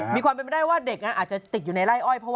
มีความเป็นไปได้ว่าเด็กอาจจะติดอยู่ในไล่อ้อย